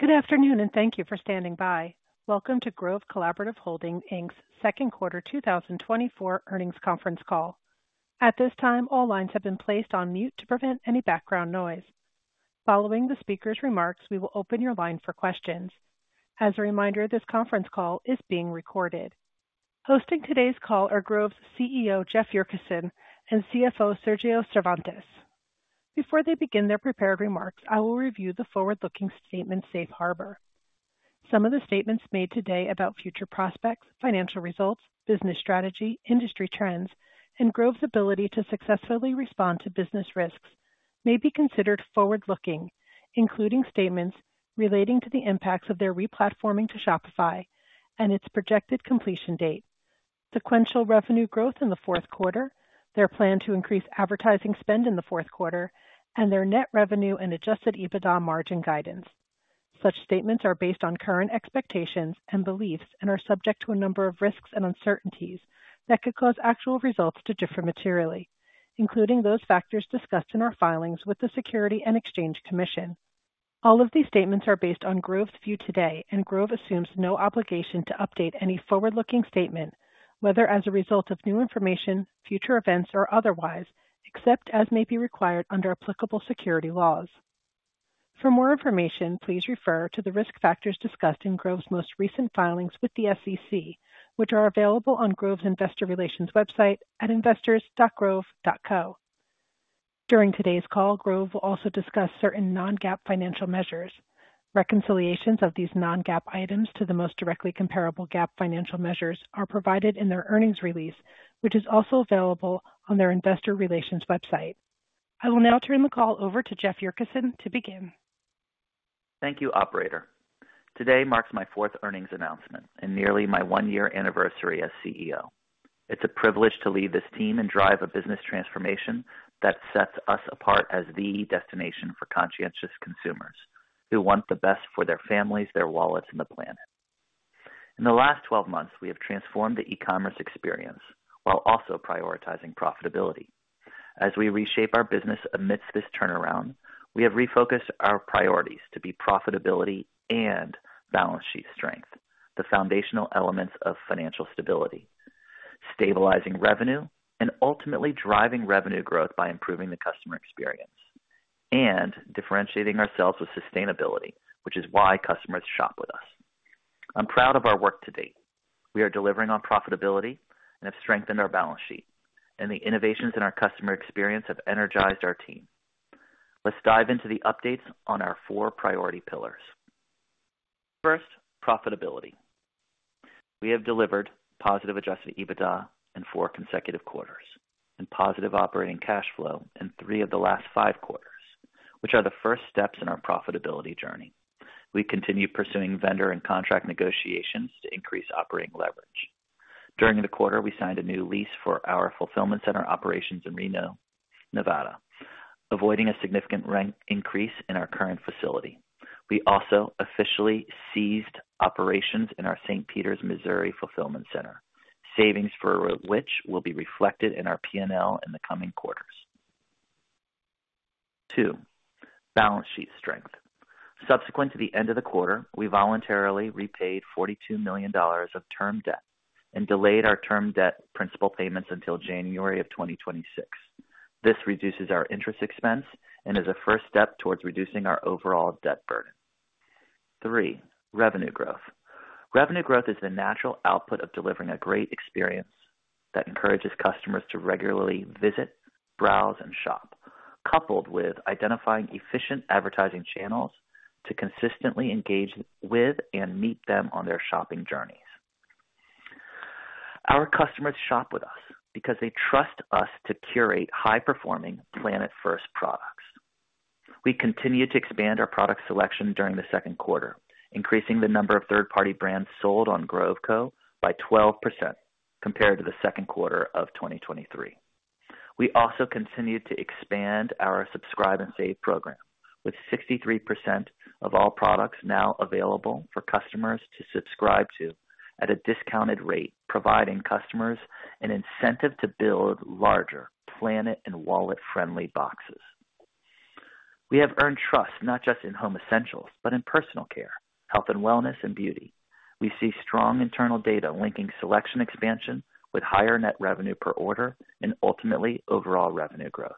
Good afternoon, and thank you for standing by. Welcome to Grove Collaborative Holdings, Inc.'s second quarter 2024 earnings conference call. At this time, all lines have been placed on mute to prevent any background noise. Following the speaker's remarks, we will open your line for questions. As a reminder, this conference call is being recorded. Hosting today's call are Grove's CEO, Jeff Yurcisin, and CFO, Sergio Cervantes. Before they begin their prepared remarks, I will review the forward-looking statement safe harbor. Some of the statements made today about future prospects, financial results, business strategy, industry trends, and Grove's ability to successfully respond to business risks may be considered forward-looking, including statements relating to the impacts of their replatforming to Shopify and its projected completion date, sequential revenue growth in the fourth quarter, their plan to increase advertising spend in the fourth quarter, and their net revenue and Adjusted EBITDA margin guidance. Such statements are based on current expectations and beliefs and are subject to a number of risks and uncertainties that could cause actual results to differ materially, including those factors discussed in our filings with the Securities and Exchange Commission. All of these statements are based on Grove's view today, and Grove assumes no obligation to update any forward-looking statement, whether as a result of new information, future events, or otherwise, except as may be required under applicable securities laws. For more information, please refer to the risk factors discussed in Grove's most recent filings with the SEC, which are available on Grove's investor relations website at investors.grove.co. During today's call, Grove will also discuss certain non-GAAP financial measures. Reconciliations of these non-GAAP items to the most directly comparable GAAP financial measures are provided in their earnings release, which is also available on their investor relations website. I will now turn the call over to Jeff Yurcisin to begin. Thank you, operator. Today marks my fourth earnings announcement and nearly my one-year anniversary as CEO. It's a privilege to lead this team and drive a business transformation that sets us apart as the destination for conscientious consumers who want the best for their families, their wallets, and the planet. In the last twelve months, we have transformed the e-commerce experience while also prioritizing profitability. As we reshape our business amidst this turnaround, we have refocused our priorities to be profitability and balance sheet strength, the foundational elements of financial stability, stabilizing revenue, and ultimately driving revenue growth by improving the customer experience and differentiating ourselves with sustainability, which is why customers shop with us. I'm proud of our work to date. We are delivering on profitability and have strengthened our balance sheet, and the innovations in our customer experience have energized our team. Let's dive into the updates on our four priority pillars. First, profitability. We have delivered positive Adjusted EBITDA in four consecutive quarters and positive operating cash flow in three of the last five quarters, which are the first steps in our profitability journey. We continue pursuing vendor and contract negotiations to increase operating leverage. During the quarter, we signed a new lease for our fulfillment center operations in Reno, Nevada, avoiding a significant rent increase in our current facility. We also officially ceased operations in our St. Peters, Missouri, fulfillment center, savings for which will be reflected in our P&L in the coming quarters. Two, balance sheet strength. Subsequent to the end of the quarter, we voluntarily repaid $42 million of term debt and delayed our term debt principal payments until January 2026. This reduces our interest expense and is a first step towards reducing our overall debt burden. Three, revenue growth. Revenue growth is the natural output of delivering a great experience that encourages customers to regularly visit, browse and shop, coupled with identifying efficient advertising channels to consistently engage with and meet them on their shopping journeys. Our customers shop with us because they trust us to curate high-performing Planet First products. We continued to expand our product selection during the second quarter, increasing the number of third-party brands sold on Grove Co. by 12% compared to the second quarter of 2023. We also continued to expand our Subscribe and Save program, with 63% of all products now available for customers to subscribe to at a discounted rate, providing customers an incentive to build larger planet and wallet-friendly boxes. We have earned trust not just in home essentials, but in personal care, health and wellness, and beauty. We see strong internal data linking selection expansion with higher net revenue per order and ultimately overall revenue growth.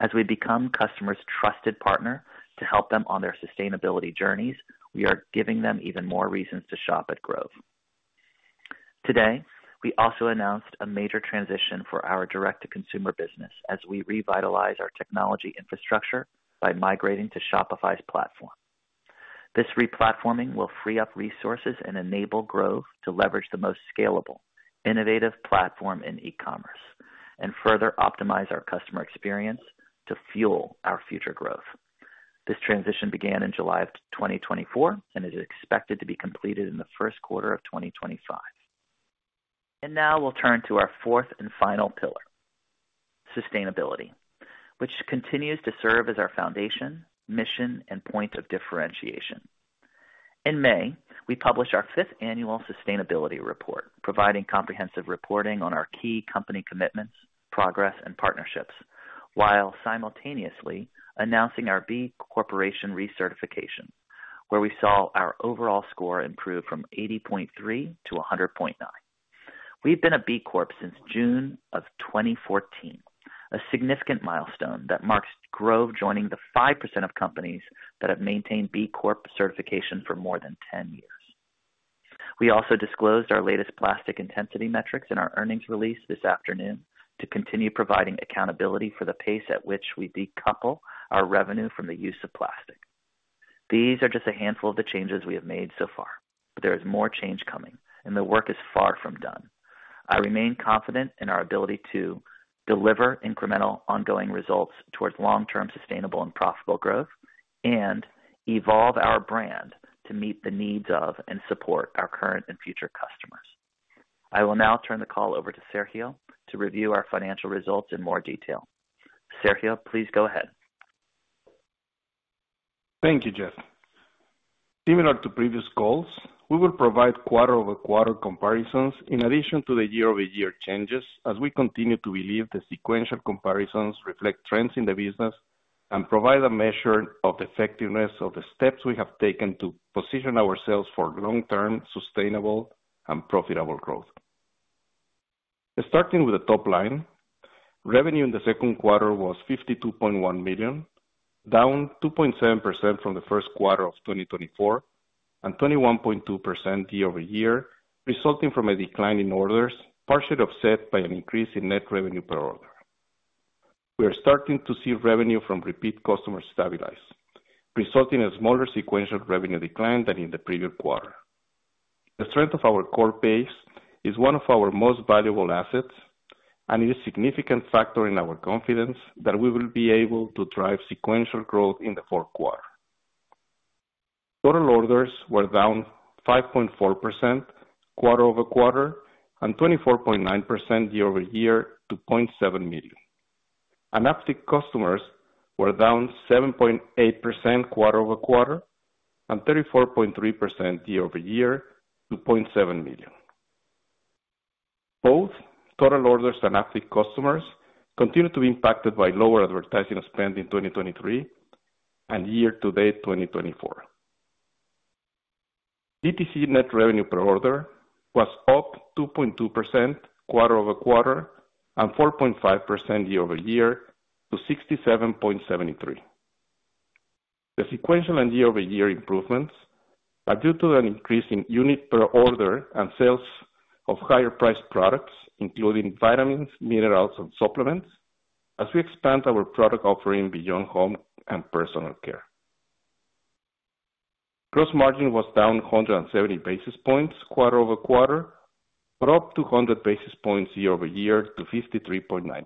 As we become customers' trusted partner to help them on their sustainability journeys, we are giving them even more reasons to shop at Grove. Today, we also announced a major transition for our direct-to-consumer business as we revitalize our technology infrastructure by migrating to Shopify's platform. This replatforming will free up resources and enable growth to leverage the most scalable, innovative platform in e-commerce and further optimize our customer experience to fuel our future growth. This transition began in July of 2024, and it is expected to be completed in the first quarter of 2025. Now we'll turn to our fourth and final pillar, sustainability, which continues to serve as our foundation, mission, and point of differentiation. In May, we published our fifth annual sustainability report, providing comprehensive reporting on our key company commitments, progress, and partnerships, while simultaneously announcing our B Corporation recertification, where we saw our overall score improve from 80.3 to 100.9. We've been a B Corp since June of 2014, a significant milestone that marks Grove joining the 5% of companies that have maintained B Corp certification for more than 10 years. We also disclosed our latest plastic intensity metrics in our earnings release this afternoon to continue providing accountability for the pace at which we decouple our revenue from the use of plastic. These are just a handful of the changes we have made so far, but there is more change coming, and the work is far from done. I remain confident in our ability to deliver incremental ongoing results towards long-term sustainable and profitable growth, and evolve our brand to meet the needs of and support our current and future customers. I will now turn the call over to Sergio to review our financial results in more detail. Sergio, please go ahead. Thank you, Jeff. Similar to previous calls, we will provide quarter-over-quarter comparisons in addition to the year-over-year changes, as we continue to believe the sequential comparisons reflect trends in the business and provide a measure of the effectiveness of the steps we have taken to position ourselves for long-term, sustainable, and profitable growth. Starting with the top line, revenue in the second quarter was $52.1 million, down 2.7% from the first quarter of 2024, and 21.2% year-over-year, resulting from a decline in orders, partially offset by an increase in net revenue per order. We are starting to see revenue from repeat customers stabilize, resulting in a smaller sequential revenue decline than in the previous quarter. The strength of our core base is one of our most valuable assets, and it is a significant factor in our confidence that we will be able to drive sequential growth in the fourth quarter. Total orders were down 5.4% quarter-over-quarter, and 24.9% year-over-year to 0.7 million. Active customers were down 7.8% quarter-over-quarter, and 34.3% year-over-year to 0.7 million. Both total orders and active customers continue to be impacted by lower advertising spend in 2023 and year-to-date 2024. DTC net revenue per order was up 2.2% quarter-over-quarter and 4.5% year-over-year to $67.73. The sequential and year-over-year improvements are due to an increase in unit per order and sales of higher priced products, including vitamins, minerals, and supplements, as we expand our product offering beyond home and personal care. Gross margin was down 170 basis points quarter-over-quarter, but up 200 basis points year-over-year to 53.9%.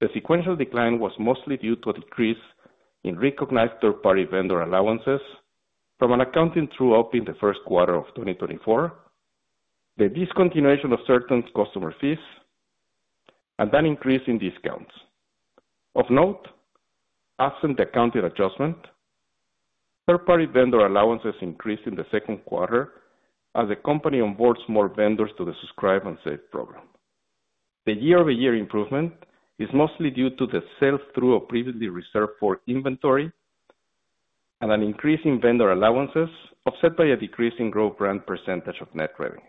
The sequential decline was mostly due to a decrease in recognized third-party vendor allowances from an accounting true-up in the first quarter of 2024, the discontinuation of certain customer fees, and an increase in discounts. Of note, absent the accounting adjustment, third-party vendor allowances increased in the second quarter as the company onboards more vendors to the Subscribe and Save program. The year-over-year improvement is mostly due to the sales through a previously reserved for inventory and an increase in vendor allowances, offset by a decrease in Grove Co. percentage of net revenue.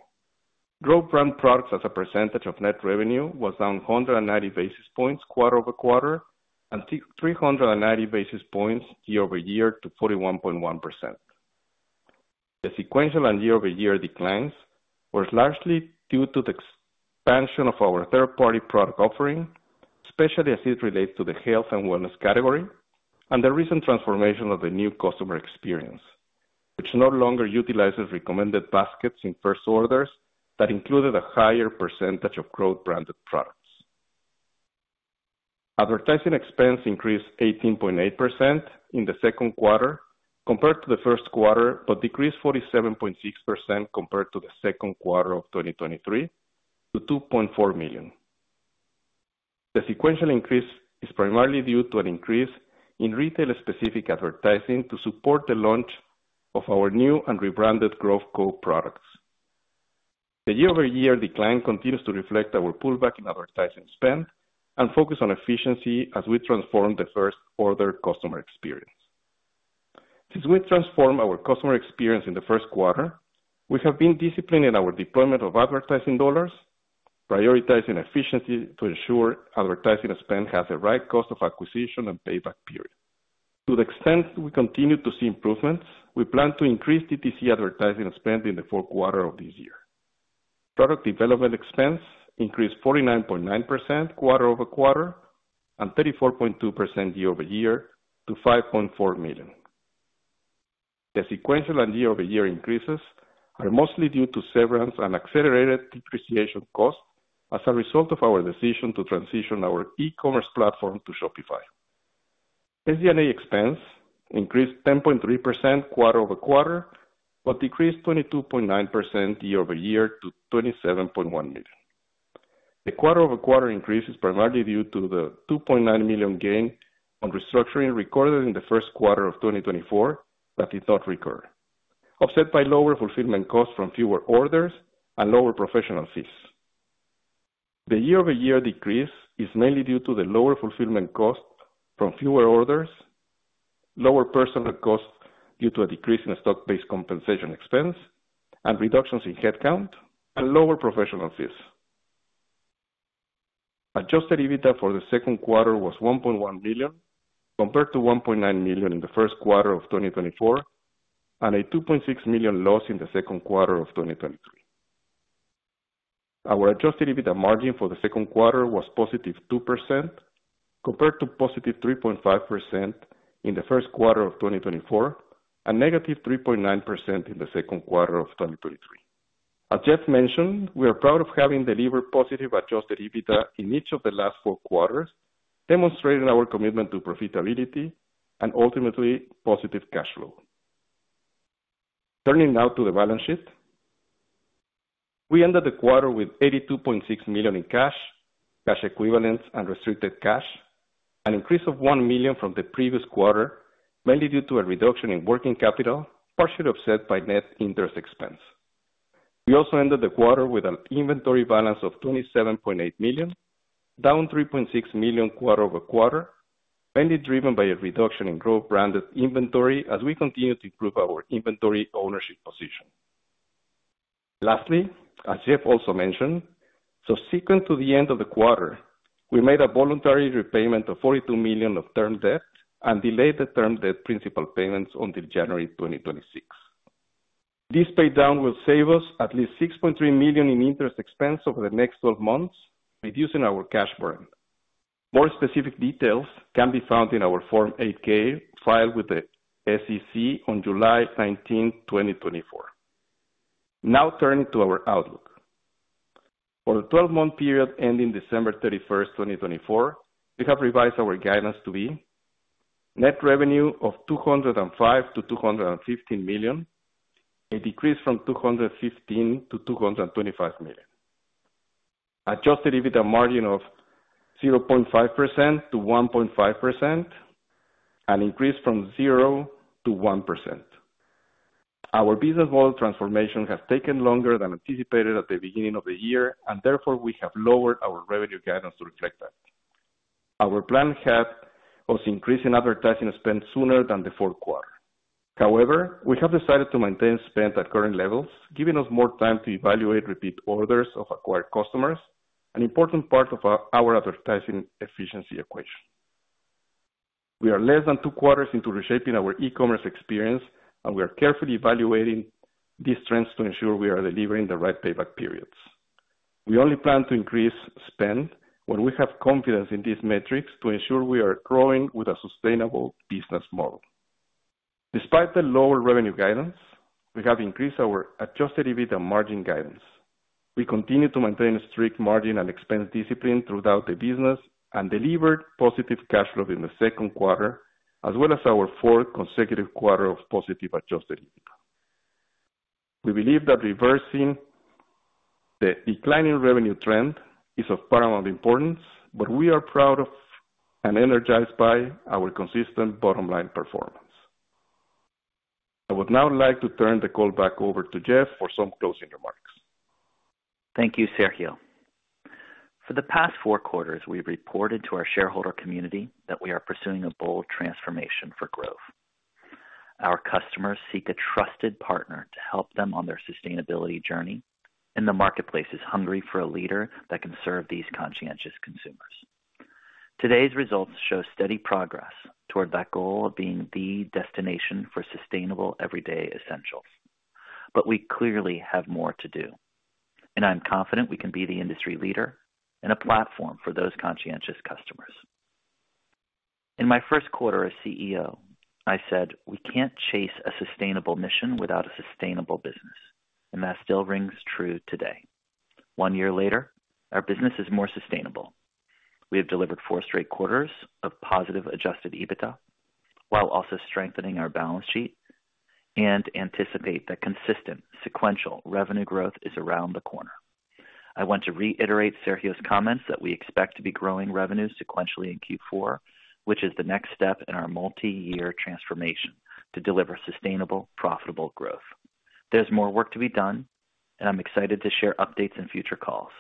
Grove Co. products as a percentage of net revenue was down 100 basis points quarter-over-quarter and 300 basis points year-over-year to 41.1%. The sequential and year-over-year declines were largely due to the expansion of our third-party product offering, especially as it relates to the health and wellness category and the recent transformation of the new customer experience, which no longer utilizes recommended baskets in first orders that included a higher percentage of Grove Co. branded products. Advertising expense increased 18.8% in the second quarter compared to the first quarter, but decreased 47.6% compared to the second quarter of 2023 to $2.4 million. The sequential increase is primarily due to an increase in retail-specific advertising to support the launch of our new and rebranded Grove Co. products. The year-over-year decline continues to reflect our pullback in advertising spend and focus on efficiency as we transform the first order customer experience. Since we transformed our customer experience in the first quarter, we have been disciplined in our deployment of advertising dollars, prioritizing efficiency to ensure advertising spend has the right cost of acquisition and payback period. To the extent we continue to see improvements, we plan to increase DTC advertising spend in the fourth quarter of this year. Product development expense increased 49.9% quarter-over-quarter and 34.2% year-over-year to $5.4 million. The sequential and year-over-year increases are mostly due to severance and accelerated depreciation costs as a result of our decision to transition our e-commerce platform to Shopify. SG&A expense increased 10.3% quarter-over-quarter, but decreased 22.9% year-over-year to $27.1 million. The quarter-over-quarter increase is primarily due to the $2.9 million gain on restructuring recorded in the first quarter of 2024, that did not recur, offset by lower fulfillment costs from fewer orders and lower professional fees. The year-over-year decrease is mainly due to the lower fulfillment cost from fewer orders, lower personnel costs due to a decrease in stock-based compensation expense and reductions in headcount, and lower professional fees. Adjusted EBITDA for the second quarter was $1.1 billion, compared to $1.9 million in the first quarter of 2024, and a $2.6 million loss in the second quarter of 2023. Our Adjusted EBITDA margin for the second quarter was +2%, compared to +3.5% in the first quarter of 2024, and -3.9% in the second quarter of 2023. As Jeff mentioned, we are proud of having delivered positive adjusted EBITDA in each of the last four quarters, demonstrating our commitment to profitability and ultimately positive cash flow. Turning now to the balance sheet. We ended the quarter with $82.6 million in cash, cash equivalents and restricted cash, an increase of $1 million from the previous quarter, mainly due to a reduction in working capital, partially offset by net interest expense. We also ended the quarter with an inventory balance of $27.8 million, down $3.6 million quarter-over-quarter, mainly driven by a reduction in Grove branded inventory as we continue to improve our inventory ownership position. Lastly, as Jeff also mentioned, subsequent to the end of the quarter, we made a voluntary repayment of $42 million of term debt and delayed the term debt principal payments until January 2026. This paydown will save us at least $6.3 million in interest expense over the next 12 months, reducing our cash burn. More specific details can be found in our Form 8-K, filed with the SEC on July 19, 2024. Now turning to our outlook. For the twelve-month period ending December 31st, 2024, we have revised our guidance to be net revenue of $205 million-$215 million, a decrease from $215 million-$225 million. Adjusted EBITDA margin of 0.5%-1.5%, an increase from 0%-1%. Our business model transformation has taken longer than anticipated at the beginning of the year, and therefore we have lowered our revenue guidance to reflect that. Our plan had us increasing advertising spend sooner than the fourth quarter. However, we have decided to maintain spend at current levels, giving us more time to evaluate repeat orders of acquired customers, an important part of our advertising efficiency equation. We are less than two quarters into reshaping our e-commerce experience, and we are carefully evaluating these trends to ensure we are delivering the right payback periods. We only plan to increase spend when we have confidence in these metrics to ensure we are growing with a sustainable business model. Despite the lower revenue guidance, we have increased our Adjusted EBITDA margin guidance. We continue to maintain a strict margin and expense discipline throughout the business and delivered positive cash flow in the second quarter, as well as our fourth consecutive quarter of positive Adjusted EBITDA. We believe that reversing the declining revenue trend is of paramount importance, but we are proud of and energized by our consistent bottom line performance. I would now like to turn the call back over to Jeff for some closing remarks. Thank you, Sergio. For the past four quarters, we've reported to our shareholder community that we are pursuing a bold transformation for growth. Our customers seek a trusted partner to help them on their sustainability journey, and the marketplace is hungry for a leader that can serve these conscientious consumers. Today's results show steady progress toward that goal of being the destination for sustainable, everyday essentials. But we clearly have more to do, and I'm confident we can be the industry leader and a platform for those conscientious customers. In my first quarter as CEO, I said, "We can't chase a sustainable mission without a sustainable business," and that still rings true today. One year later, our business is more sustainable. We have delivered four straight quarters of positive Adjusted EBITDA, while also strengthening our balance sheet and anticipate that consistent sequential revenue growth is around the corner. I want to reiterate Sergio's comments that we expect to be growing revenues sequentially in Q4, which is the next step in our multi-year transformation to deliver sustainable, profitable growth. There's more work to be done, and I'm excited to share updates in future calls.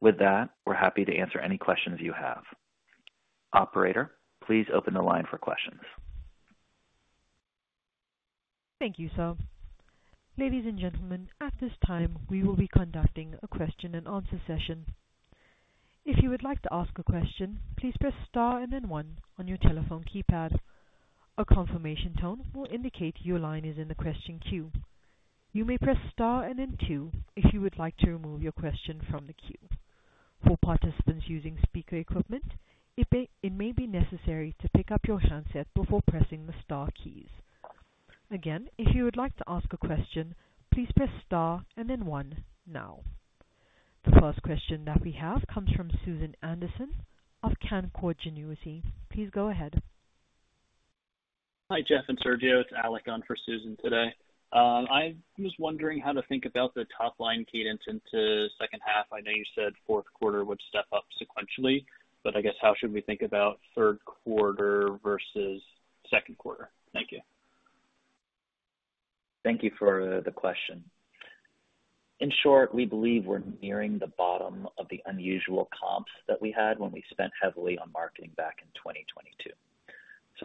With that, we're happy to answer any questions you have. Operator, please open the line for questions. Thank you, sir. Ladies and gentlemen, at this time, we will be conducting a question-and-answer session. If you would like to ask a question, please press star and then one on your telephone keypad. A confirmation tone will indicate your line is in the question queue. You may press star and then two if you would like to remove your question from the queue. For participants using speaker equipment, it may be necessary to pick up your handset before pressing the star keys. Again, if you would like to ask a question, please press star and then one now. The first question that we have comes from Susan Anderson of Canaccord Genuity. Please go ahead. Hi, Jeff and Sergio. It's Alec on for Susan today. I was wondering how to think about the top-line cadence into second half. I know you said fourth quarter would step up sequentially, but I guess how should we think about third quarter versus second quarter? Thank you. Thank you for the question. In short, we believe we're nearing the bottom of the unusual comps that we had when we spent heavily on marketing back in 2022.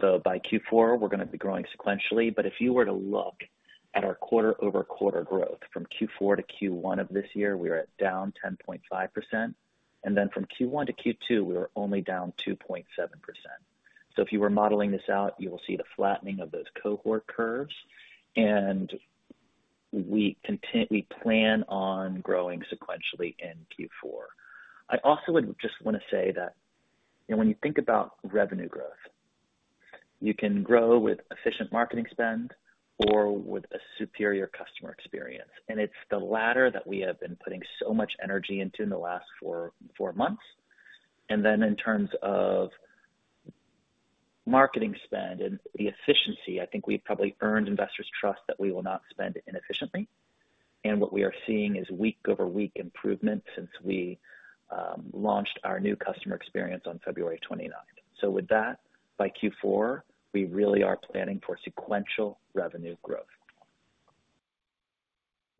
So by Q4, we're gonna be growing sequentially, but if you were to look at our quarter-over-quarter growth from Q4 to Q1 of this year, we are at down 10.5%, and then from Q1 to Q2, we are only down 2.7%. So if you were modeling this out, you will see the flattening of those cohort curves, and we plan on growing sequentially in Q4. I also would just want to say that, you know, when you think about revenue growth, you can grow with efficient marketing spend or with a superior customer experience, and it's the latter that we have been putting so much energy into in the last four months. And then in terms of marketing spend and the efficiency, I think we've probably earned investors' trust that we will not spend it inefficiently. And what we are seeing is week-over-week improvement since we launched our new customer experience on February 29th. So with that, by Q4, we really are planning for sequential revenue growth.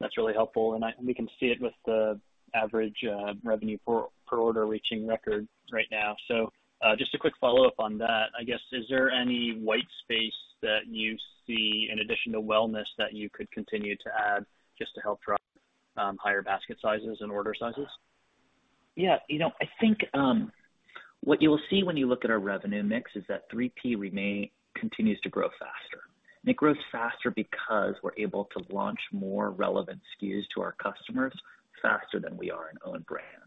That's really helpful, and we can see it with the average revenue per order reaching record right now. So, just a quick follow-up on that. I guess, is there any white space that you see in addition to wellness, that you could continue to add just to help drive higher basket sizes and order sizes? Yeah. You know, I think what you will see when you look at our revenue mix is that 3P continues to grow faster. It grows faster because we're able to launch more relevant SKUs to our customers faster than we are in own brands.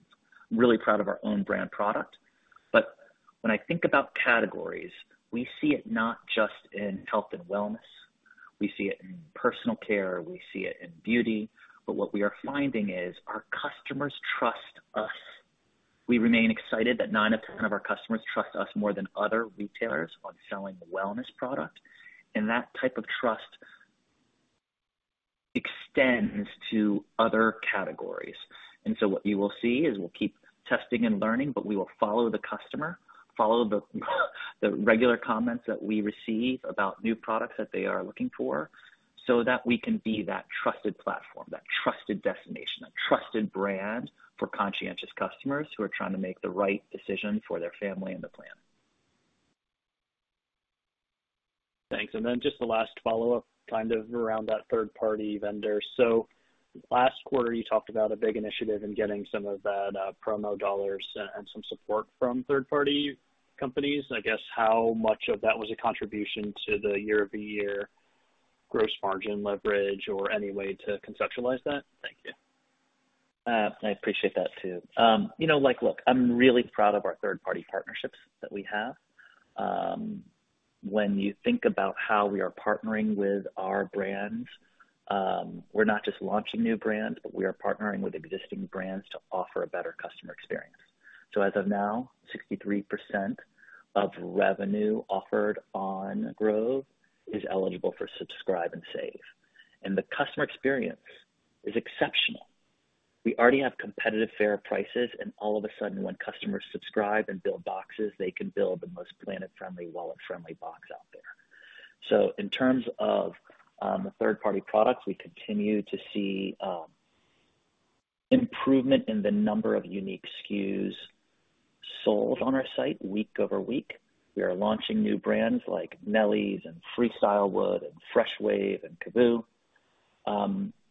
I'm really proud of our own brand product, but when I think about categories, we see it not just in health and wellness. We see it in personal care, we see it in beauty. What we are finding is our customers trust us. We remain excited that nine out of ten of our customers trust us more than other retailers on selling wellness product, and that type of trust extends to other categories. And so what you will see is we'll keep testing and learning, but we will follow the customer, follow the regular comments that we receive about new products that they are looking for, so that we can be that trusted platform, that trusted destination, a trusted brand for conscientious customers who are trying to make the right decision for their family and the planet. Thanks. And then just the last follow-up, kind of around that third-party vendor. So last quarter, you talked about a big initiative in getting some of that, promo dollars and, and some support from third-party companies. I guess, how much of that was a contribution to the year-over-year gross margin leverage or any way to conceptualize that? Thank you. I appreciate that, too. You know, like, look, I'm really proud of our third-party partnerships that we have. When you think about how we are partnering with our brands, we're not just launching new brands, but we are partnering with existing brands to offer a better customer experience. So as of now, 63% of revenue offered on Grove is eligible for Subscribe and Save, and the customer experience is exceptional. We already have competitive, fair prices, and all of a sudden, when customers subscribe and build boxes, they can build the most planet-friendly, wallet-friendly box out there. So in terms of third-party products, we continue to see improvement in the number of unique SKUs sold on our site week-over-week. We are launching new brands like Nellie's and Freestyle World and Fresh Wave and Caboo.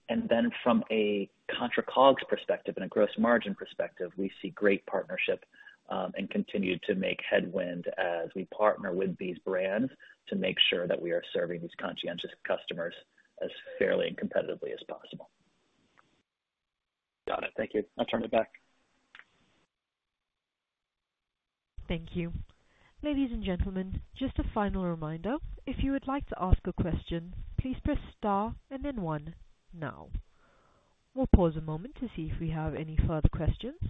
And then from a contra COGS perspective and a gross margin perspective, we see great partnership, and continue to make headway as we partner with these brands to make sure that we are serving these conscientious customers as fairly and competitively as possible. Got it. Thank you. I'll turn it back. Thank you. Ladies and gentlemen, just a final reminder, if you would like to ask a question, please press star and then one now. We'll pause a moment to see if we have any further questions.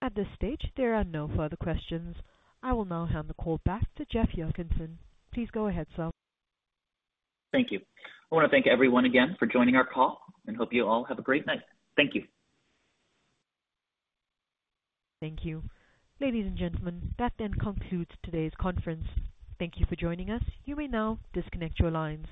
At this stage, there are no further questions. I will now hand the call back to Jeff Yurcisin. Please go ahead, sir. Thank you. I want to thank everyone again for joining our call and hope you all have a great night. Thank you. Thank you. Ladies and gentlemen, that then concludes today's conference. Thank you for joining us. You may now disconnect your lines.